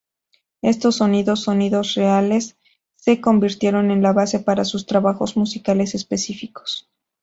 Estos sonidos, sonidos reales, se convirtieron en la base para sus trabajos musicales específicos.